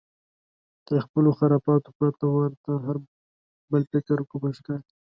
تر خپلو خرافاتو پرته ورته هر بل فکر کفر ښکاري.